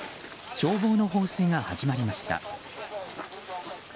消防の放水が始まりました。